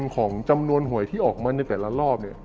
ของจำนวนหวยที่ออกมาในแต่ละรอบ